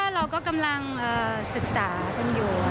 เราก็กำลังศึกษากันอยู่